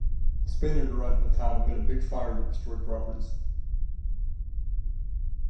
A Spaniard arrived in the town amid a big fire that destroyed properties.